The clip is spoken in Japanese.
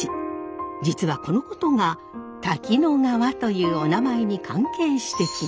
実はこのことが「滝野川」というおなまえに関係してきます。